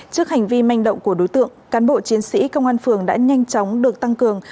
trước hành vi manh động của đối tượng cán bộ chiến sĩ công an phường đã nhanh chóng được tăng cường